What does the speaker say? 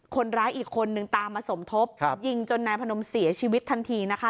คนร้ายอีกคนนึงตามมาสมทบยิงจนนายพนมเสียชีวิตทันทีนะคะ